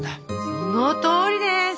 そのとおりです！